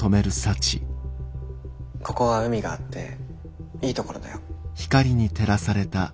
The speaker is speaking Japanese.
ここは海があっていい所だよ。